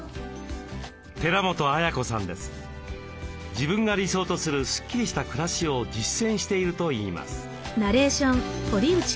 自分が理想とするスッキリした暮らしを実践しているといいます。